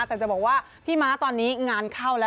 แต่จะบอกว่าพี่ม้าตอนนี้งานเข้าแล้ว